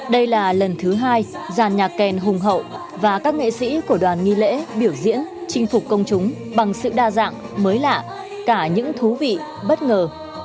đây là lần thứ hai giàn nhạc kèn hùng hậu và các nghệ sĩ của đoàn nghi lễ biểu diễn chinh phục công chúng bằng sự đa dạng mới lạ cả những thú vị bất ngờ